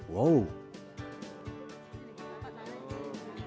kucing yang diberikan kucing yang berkualitas kecil